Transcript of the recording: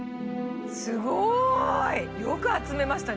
すごい！よく集めましたね。